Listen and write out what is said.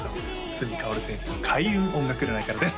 角かおる先生の開運音楽占いからです